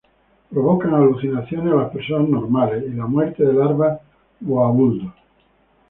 Provocan alucinaciones a las personas normales y la muerte a las larvas Goa'uld.